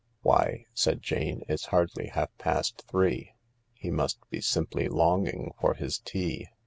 " Why," said Jane, " it's hardly half past three ! He must be simply longing for his tea."